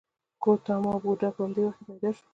ګوتاما بودا په همدې وخت کې پیدا شو.